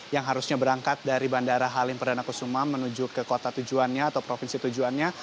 yang harusnya berangkat dari bandara halim perdana kusuma menuju ke kota tujuannya atau provinsi tujuannya